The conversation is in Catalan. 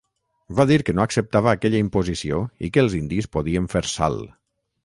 Va dir que no acceptava aquella imposició i que els indis podien fer sal.